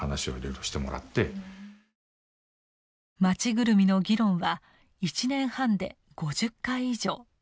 町ぐるみの議論は１年半で５０回以上。